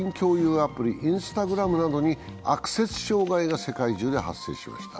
アプリＩｎｓｔａｇｒａｍなどにアクセス障害が世界中で発生しました。